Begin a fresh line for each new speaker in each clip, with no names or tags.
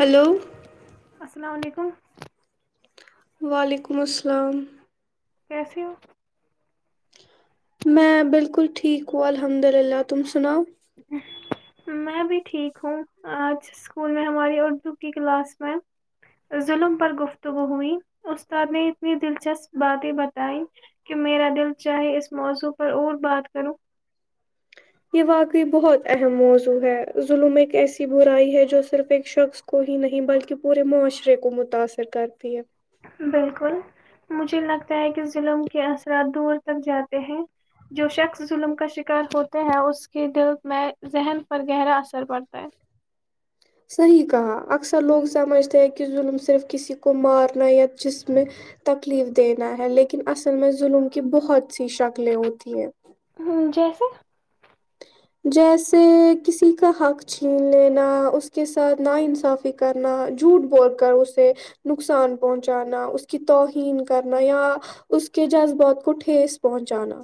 hello
[unintelligible]
وعلیکم السلام
کیسے ہو
میں بالکل ٹھیک ہ الحمد للہ تم سناؤ
میں بھی ٹھیک ہوں آج اسکول میں ہماری اردو کی کلاس میں ظلم پر گفتگو ہوئی استاد نے اتنی دلچسپ باتیں بتائ کہ میرا دل چاہے اس موضوع پر اور بات کروں
یہ واقعی بہت اہم موضوع ہے ظلم ایک ایسی برائی ہے جو صرف ایک شخص کو ہی نہیں بلکہ پورے معاشرے کو متاأثر کرتی ہے
بالکل مجھے لگتا ہے کہ ظلم کے اثرات دور تک جاتے ہیں جو شخص ظلم کا شکار ہوتے ہیں اس کے دل میں ذہن پر گہرا اثر پڑتا ہے
صحیح کہا اکثر لوگ سمجھتے ہیں کہ ظلم صرف کسی کو مارنا یا جس میں تکلیف دینا ہے لیکن اصل میں ظلم کی بہت سی شکلیں ہوتی ہیں
[inaudible]
جیسے کسی کا حق چھین لینا اس کے ساتھ ناانصافی کرنا جھوٹ بول کر اسے نقصان پہنچانا اس کی توہین کرنا یا اس کے جذبات کو ٹھیس پہنچانا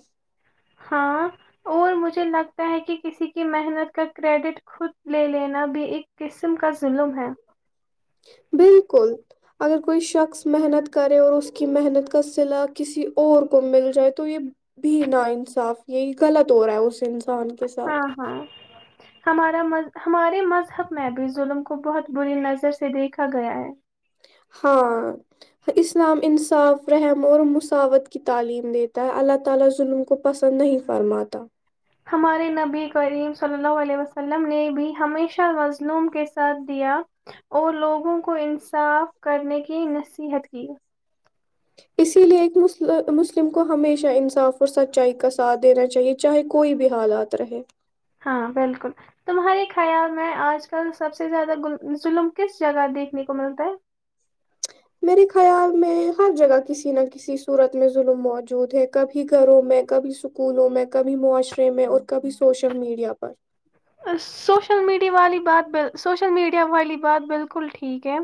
ہاں اور مجھے لگتا ہے کہ کسی کی محنت کا کریڈٹ خود لے لینا بھی ایک قسم کا ظلم ہے
بالکل اگر کوئی شخص محنت کرے اور اس کی محنت کا صلا کسی اور کو مل جائے تو یہ بھی نا انصاف یہی غلط اور رہا ہے اسس ان کے ساتھ
ہاں ہاں ہمارا ہمارے مذہب میں بھی ظلم کو بہت بری نظر سے دیکھا گیا ہے
[inaudible]
ہمارے نبی کریم صلی اللہ علیہ وسلم نے بھی ہمیشہ مظلوم کے ساتھ دیا اور لوگوں کو انصاف کرنے کی نصیحت کی
اسی لیے ایک مسلم کو ہمیشہ انصاف اور سچائی کا ساتھ دینا چاہیے چاہے کوئی بھی حالات رہے
ہاں بالکل تمہارے خیال میں آج کل سب سے زیادہ ظلم کس جگہ دیکھنے کو ملتا ہے
میرے خیال میں ہر جگہ کسی نہ کسی صورت میں ظلم موجود ہے کبھی گھروں میں کبھی سکولوں میں کبھی معاشرے میں اور کبھی سوشل میڈیا پر
سوشل میڈیا والی بات ب سوشل میڈیا والی بات بالکل ٹھیک ہے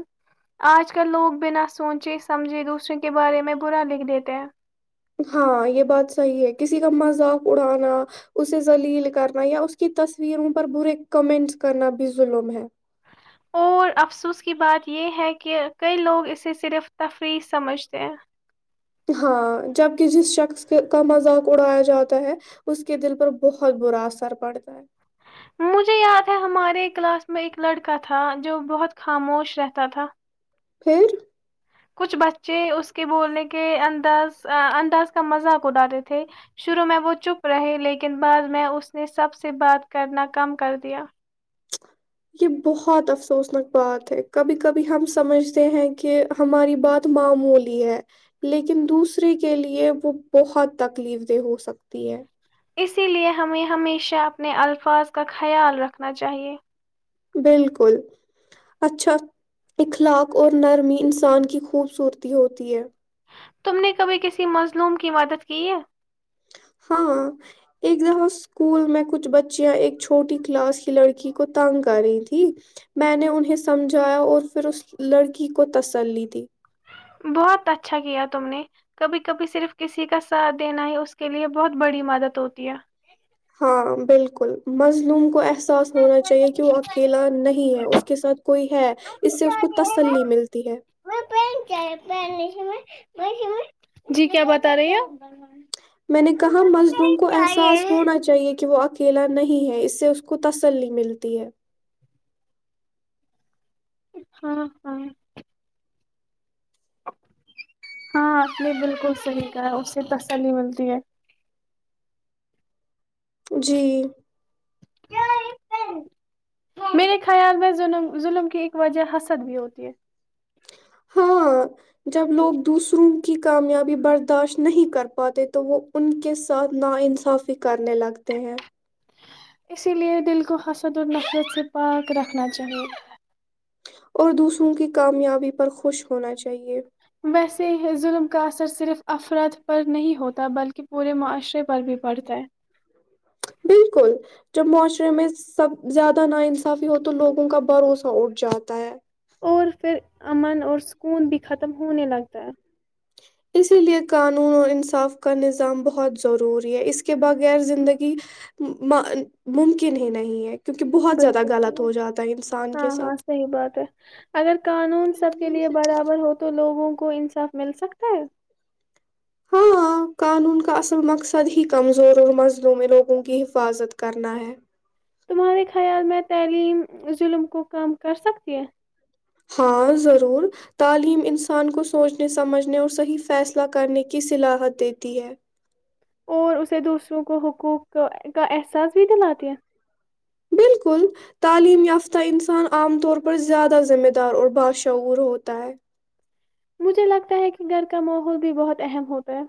آج کل لوگ بنا سوچے سمجھے دوسروں کے بارے میں برا لکھ دیتے ہیں
ہاں یہ بات صحیح ہے کسی کا مذاق اڑانا اسے لیل کرنا یا اس کی تصویروں پر برے کمنٹس کرنا بھی ظلم ہے
اور افسوس کی بات یہ ہے کہ کئی لوگ اسے صرف تفریح سمجھتے ہیں
ہاں جبک جس شخص کا مذاق اڑایا جاتا ہے اس کے دل پر بہت برا اثر پڑتا ہے
مجھے یاد ہے ہمارے کلاس میں ایک لڑکا تھا جو بہت خاموش رہتا تھا
پھر
کچھ بچے اس کے بولنے کے انداز انداز کا مذاق ا ڈاتے تھے شروع میں وہ چپ رہے لیکن بعد میں اس نے سب سے بات کرنا کم کر دیا
یہ بہت افسوسناک بات ہے کبھی کبھی ہم سمجھتے ہیں کہ ہماری بات معمولی ہے لیکن دوسرے کے لیے وہ بہت تکلیف دہ ہو سکتی ہے
اسی لیے ہمیں ہمیشہ اپنے الفاظ کا خیال رکھنا چاہیے
بالکل اچھا اخلاق اور نرمی انسان کی خوبصورتی ہوتی ہے
تم نے کبھی کسی مظلوم کی مدد کی ہے
ہاں ایک دفہ اسکول میں کچھ بچیاں ایک چھوٹی کلاس کی لڑکی کو تنگ کر رہی تھی میں نے انہیں سمجھایا اور پھر اس لڑکی کو تسلی تھی
بہت اچھا کیا تم نے کبھی کبھی صرف کسی کا ساتھ دینا ہی اس کے لیے بہت بڑی مدد ہوتی ہے
ہاں بالکل مظلوم کو احساس ہونا چاہیے کہ وہ اکیلا نہیں ہے اس کے ساتھ کوئی ہے اس سے اس کو تسلی ملتی ہے
جی کیا بتا رہی ہیںپ
میں نے کہا مزدوم کو احساس ہونا چاہیے کہ وہ کھیلا نہیں ہے اس سے اس کو تسلی ملتی ہے
ہاں ہاں ہاں اپ نے بالکل صحیح کا ہے اس سے تسلیلی ملتی ہے
جی
میرے خیال میں ظ ظلم کی ایک وجہ حسد بھی ہوتی ہے
ہاں جب لوگ دوسروں کی کامیابی برداشت نہیں کر پاتے تو وہ ان کے ساتھ نا انصافی کرنے لگتے ہیں
اسی لیے دل کو حسد النفیت سے پاک رکھنا چاہیے
اور دوسروں کی کامیابی پر خوش ہونا چاہیے
ویسے ظلم کا اثر صرف افراد پر نہیں ہوتا بلکہ پورے معاشرے پر بھی پڑتا ہے
بالکل جب معاشرے میں سب زیادہ نا انصافی ہو تو لوگوں کا بھروسہ اٹھ جاتا ہے
اور پھر امن اور سکون بھی ختم ہونے لگتا ہے
اسی لیے قانون اور انصاف کا نظام بہت ضروری ہے اس کے بغیر زندگی ممکن ہی نہیں ہے کیونکہ بہت زیادہ
بالکل
غلط ہو جاتا ہے انسان کے
ہاں ہاں
ساتھ
صحیح بات ہے اگر قانون سب کے لیے برابر ہو تو لوگوں کو کو انصاف مل سکتا ہے
ہاں قانون کا اصل مقصد ہی کمزور اور مزلوں میں لوگوں کی حفاظت کرنا ہے
تمہارے خیال میں تعلیم ظلم کو کم کر سکتی ہیں
ہاں ضرور تعلیم انسان کو سوچنے سمجھنے اور صحیح فیصلہ کرنے کی صلاحت دیتی ہے
اور اسے دوسروں کو حقوق کا احساس بھی دلاتے ہیں
بالکل تعلیم یافتہ انسان عام طور پر زیادہ ذمہ دار اور بادشعور ہوتا ہے
مجھے لگتا ہے کہ گھر کا ماحول بھی بہت اہم ہوتا ہے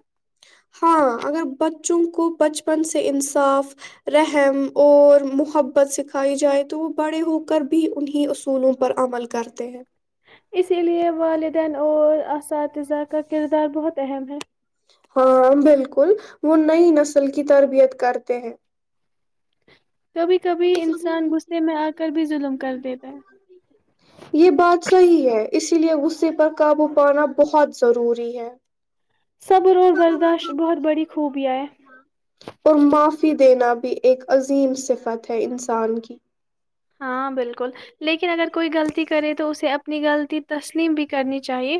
ہاں اگر بچوں کو بچپن سے انصاف رحم اور محبت سکھائی جائے تو وہ بڑے ہو کر بھی انیں اصولوں پر عمل کرتے ہیں
اسی لیے والدین اور اساتذہ کا کردار بہت اہم ہے
ہاں بالکل وہ نئی نسل کی تربیت کرتے ہیں
[inaudible] انسان غصے میں آ کر بھی ظلم کر دیتا ہے
یہ بات صحی ہے اسی لیے غصے پر قابو پانا بہت ضروری ہے
صبر اور برداشت بہت بڑی خوبیاں ہے
اور معافی دینا بھی ایک عظیم صفت ہے انسان کی
ہاں بالکل لیکن اگر کوئی غلطی کرے تو اسے اپنی غلطی تسلیم بھی کرنی چاہیے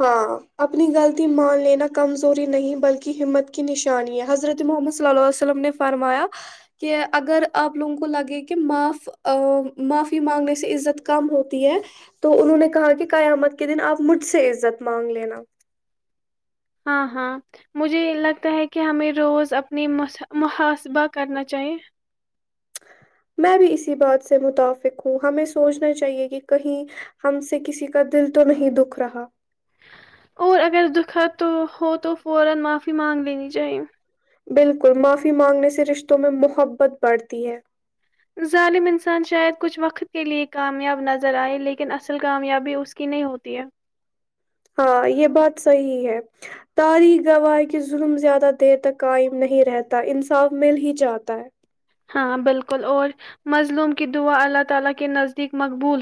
ہاں اپنی غلطی مان لینا کمزوری نہیں بلکہ ہمت کی نشانی ہے حضرت محمد صلی اللہ عیہ وسلم نے فرمایا کہ اگر آپ لوگوں کو لگے کہ معاف معافی مانگنے سے عزت کم ہوتی ہے تو انہوں نے کہا کہ قیامت کے دن آپ مجھ سے ع ت مانگ لینا
ہاں ہاں مجھے لگتا ہے کہ ہمیں روز اپنی م محاسبہ کرنا چاہیے
میں بھی اسی بات سے متافق ہوں ہمیں سوچنا چاہیے کہ کہیں ہم سے کسی کا دل تو نہیں دکھ رہا
[inaudible]
بالکل معافی مانگنے سے رشتوں میں محبت بڑھتی ہے
انسان شاید کچھ وقت کے لیے کامیاب نظر ائے لیکن اصل کامیابی اس کی نہیں ہوتی ہے
ہاں یہ بات صحیح ہے تاری گواہ کے ظلم زیادہ دیر تک قائم نہیں رہتا انصاف مل ہی جاتا ہے
ہاں بالکل اور مظلوم کی دعا اللہ تعالی کے نزدیک مقبول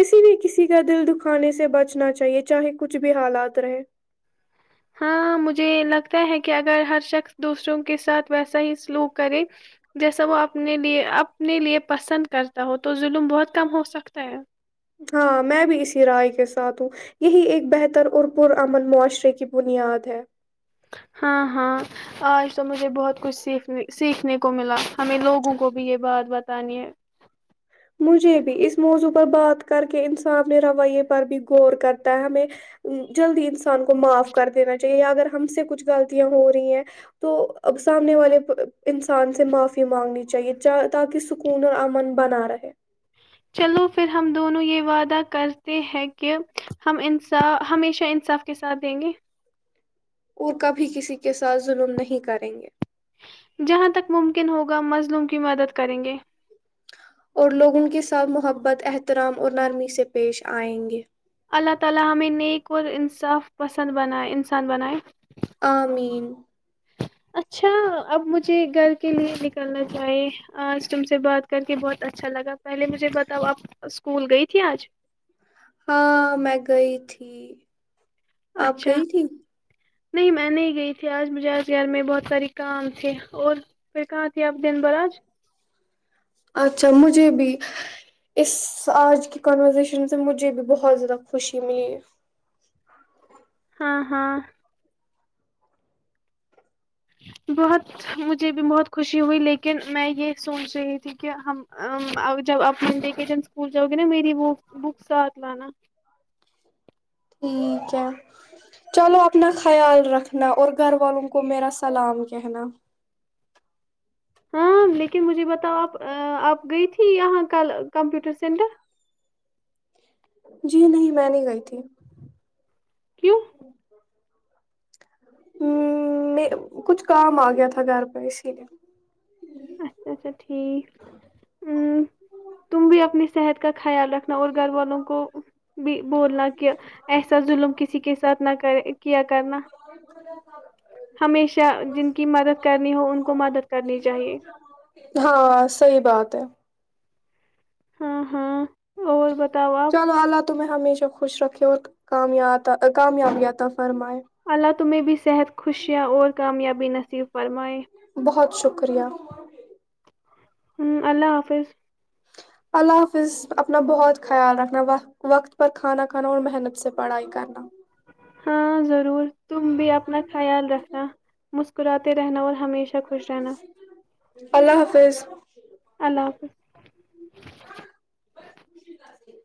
اسی لیے کسی کا دل دکھانے سے بچنا چاہیے چاہے کچھ بھی حالات رہے
ہاں مجھے لگتا ہے کہ اگر ہر شخص دوسروں کے ساتھ ویسا ہی سلوک کرے جیسا وہ اپنے لیے اپنے لیے پسند کرتا ہو تو ظلم بہت کم ہو سکتا ہے
ہاں میں بھی اسی رائے کے ساتھ ہوں یہی ایک بہتر اور پرمن معاشرے کی بنیاد ہے
ہاں ہاں آج تو مجھے بہت کچھ سیکھ سیکھنے کو ملا ہمیں لوگوں کو بھی یہ بات بتانی ہے
مجھے بھی اس موضوع پر بات کر کے انسان اپنے رویے پر بھی غور کرتا ہے ہمیں جلدی انسان کو معاف کر دینا چاہیے یا اگر ہم سے کچھ غلطیاں ہو رہی ہیں تو سامنے والے انسان سے معافی مانگنی چاہیے تاکہ سکون اور امن بنا رہے
چلو پھر ہم دونوں یہ وعدہ کرتے ہیں کہ ہم ہمیشہ انصاف کے ساتھ دیں گے
اور کبھی کسی کے ساتھ ظلم نہیں کریں گے
جہاں تک ممکن ہوگا مظلوم کی مدد کریں گے
اور لوگ ان کے ساتھ محبت احترام اور نرمی سے پیش آئیں گے
اللہ تعالی ہمیں نیک اور انصاف پسند بنائے انسان بنائیں
آ مین
اچھا اب مجھے گھر کے لئے نکلنا چاہیں آج تم سے بات کر کے بہت اچھا لگا پہلے مجھے بتاؤ آب اسکول گئی تھی آج
ہاں میں گئی تھی آپ
اچھا
گئی تھی
نہیں میں نہیں گئی تھی آج مجھے آج یار میں بہت سار کام تھے اور پھر کہاں تے آپ دن بھر آج
اچھا مجھے بھی اس آج کی کانورزیشن سے مجھے بھی بہت زیادہ خوشی ملی ہے
ہاں ہاں بہت مجھے بھی بہت خوشی ہوئی لیکن میں یہ سوچ رہی تھی کہ ہم جب اپنے ویکیشن اسکول جاؤ گے نا میری وہ بک ساتھ لانا
ٹھیک ہے چلو اپنا خیال رکھنا اور گھر والوں کو میرا سلام کہنا
ہاں لیکن مجھے بتاؤ آپ آپ گئی تھی یہاں کل کمپیوٹر سینٹر
جی نہیں میں نہیں گئی تھی
کیوں
ہ میں کچھ کام آ گیا تھا گھر پہ اسی لیے
اچھا اچھا ٹھیک ا تم بھی اپنی صحت کا خیال رکھ رنا اور گھر والوں کو بھی بولنا کہ ایسا ظلم کسی کے ساتھ نہ کرے کیا کرنا ہمیشہ جن کی مدد کرنی ہو ان کو مدد کرنی چاہیے
ہاں صحی بات ہے
ہاں ہاں اور بتاؤ آپ
چلو اللہ تمیں ہمیشہ خوش رکھے ہو کام کامیابیا تھا
اللہ تمہیں بھی صحت خوشیاں اور کامیابی ب نصیف فرمائے
بہت شکریہ
ہوں اللہ حافظ
اللہ حافظ اپنا بہت خیال رکھنا وت وقت پر کھانا کھانا اور محنت سے پڑھائی کرنا
ہاں ضرور تم بھی اپنا خیال رکھنا م کراتے رہنا اور ہمیشہ خوش رہنا
اللہ حافظ
اللہ حافظ